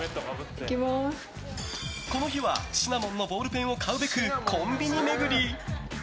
この日はシナモンのボールペンを買うべくコンビニ巡り。